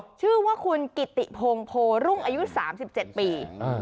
ก็คือคุณกิติพงโพรุ่งอายุ๓๗ปี